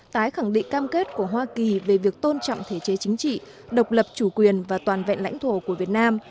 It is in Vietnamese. tái khẳng định cam kết của hoa kỳ về việc tôn trọng thể chế chính trị độc lập chủ quyền và toàn vẹn lãnh thổ của việt nam